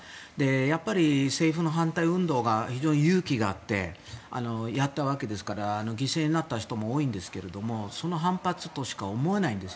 やっぱり政府の反対運動が非常に勇気があってやったわけですから犠牲になった人も多いんですがその反発としか思えないんです。